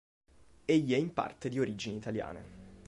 Egli è in parte di origini italiane.